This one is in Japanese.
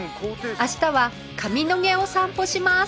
明日は上野毛を散歩します